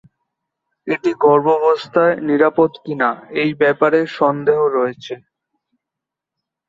এটি গর্ভাবস্থায় নিরাপদ কিনা এই ব্যাপারে সন্দেহ রয়েছে।